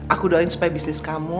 aku doain supaya bisnis kamu